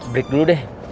break dulu deh